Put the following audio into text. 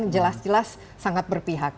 jelas jelas sangat berpihak